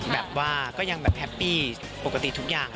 แบบว่าก็ยังแบบแฮปปี้ปกติทุกอย่าง